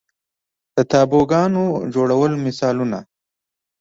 د تابوګانو جوړولو مثالونه